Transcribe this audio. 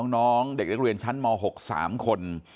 น้องเด็กเรียนชั้นม๖สามคน